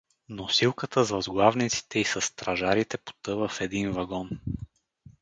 Носилката с възглавниците и със стражарите потъва в един вагон.